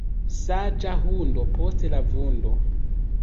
Saĝa hundo post la vundo.